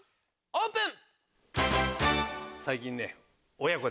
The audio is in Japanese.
オープン。